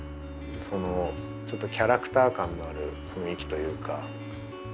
ちょっとキャラクター感のある雰囲気というか。